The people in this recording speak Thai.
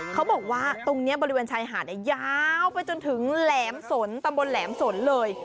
เขาบอกว่าตรงนี้บริเวณชายหาดยาวไปจนถึงแหลมสนตำบลแหลมสนเลย